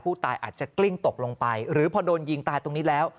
อาจจะกลิ้งตกลงไปหรือพอโดนยิงตายตรงนี้แล้ว